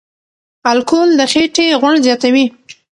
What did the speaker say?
الکول د خېټې غوړ زیاتوي.